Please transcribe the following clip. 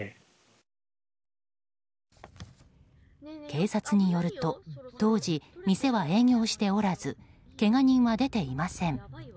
警察によると当時、店は営業しておらずけが人は出ていません。